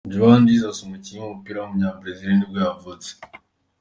Juan Jesus, umukinnyi w’umupira w’umunyabrazil nibwo yavutse.